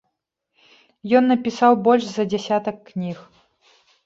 Ён напісаў больш за дзясятак кніг.